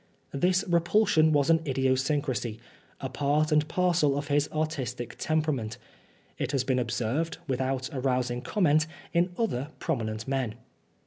This repulsion was an idiosyncrasy a part and parcel of his artistic temperament. It has been observed, with out arousing comment, in other prominent men.